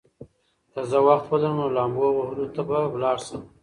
که زه وخت ولرم، نو لامبو وهلو ته به لاړ شم.